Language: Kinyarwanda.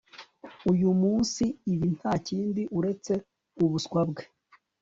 Uyu munsi ibi ntakindi uretse ubuswa bwe